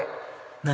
何？